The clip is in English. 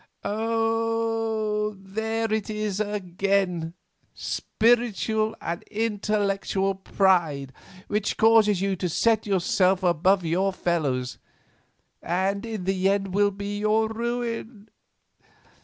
"Oh, there it is again, spiritual and intellectual pride, which causes you to set yourself above your fellows, and in the end will be your ruin.